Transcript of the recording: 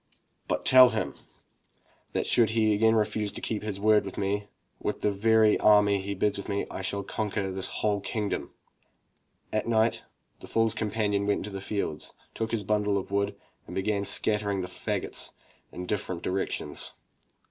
But tell him that should he again refuse to keep his word with me, with the very army he bids me raise, I shall conquer his whole kingdom." At night the foors companion went out into the fields, took his bundle of wood, and began scattering the fagots in different directions.